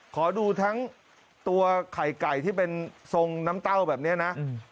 ขอดูทั้งตัวไข่ไก่ที่เป็นทรงน้ำเต้าแบบนี้นะ